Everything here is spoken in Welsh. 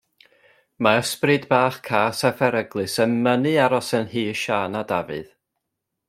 Mae ysbryd bach cas a pheryglus yn mynnu aros yn nhŷ Siân a Dafydd.